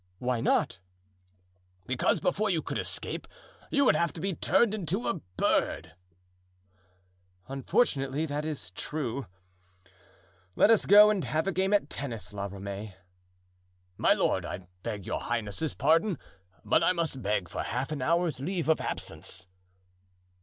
"Why not?" "Because before you could escape you would have to be turned into a bird." "Unfortunately, that is true. Let us go and have a game at tennis, La Ramee." "My lord—I beg your highness's pardon—but I must beg for half an hour's leave of absence."